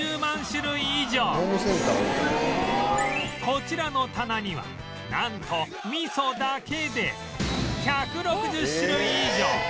こちらの棚にはなんと味噌だけで１６０種類以上